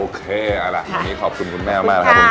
โอเคเอาล่ะวันนี้ขอบคุณคุณแม่มากครับคุณครับ